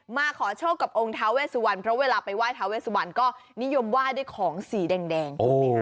มาขอโชคกับองค์เท้าแว่สุวรรณเพราะเวลาไปไหว้เท้าแว่สุวรรณก็นิยมไหว้ด้วยของสีแดง